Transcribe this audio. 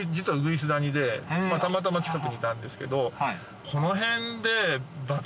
たまたま近くにいたんですけど。